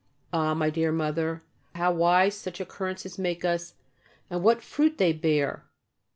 "Ah, my dear mother, how wise such occurrences make us, and what fruit they bear!"